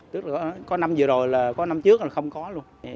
tức là có năm vừa rồi là có năm trước là không có luôn